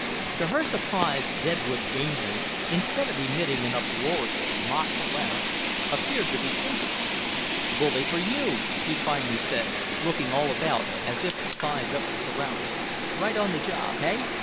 To her surprise Deadwood Gamely, instead of emitting an uproarious, mocking laugh, appeared to be thinking. "Bully for you," he finally said, looking all about as if to size up the surroundings. "Right on the job, hey?